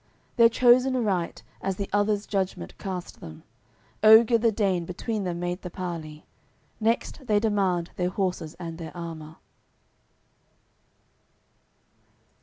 They're chos'n aright, as the others' judgement cast them; Oger the Dane between them made the parley. Next they demand their horses and their armour.